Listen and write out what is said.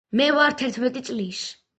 მე ვარ თერთმეტი წლის